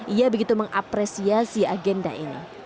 ia begitu mengapresiasi agenda ini